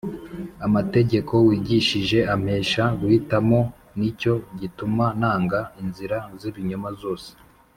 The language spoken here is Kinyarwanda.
Amategeko wigishije ampesha guhitamo ni cyo gituma nanga inzira z’ibinyoma zose.